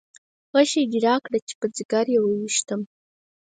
غشی دې راکړه چې په ځګر یې وویشتم.